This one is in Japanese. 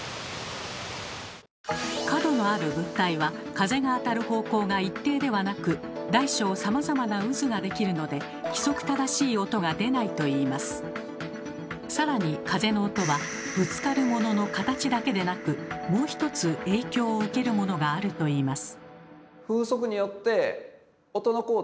角のある物体は風が当たる方向が一定ではなく大小さまざまな渦ができるので更に風の音はぶつかるものの形だけでなくもう一つ影響を受けるものがあるといいます。